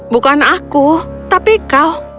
bukan aku tapi kau